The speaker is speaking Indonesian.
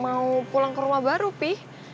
mau pulang ke rumah baru pi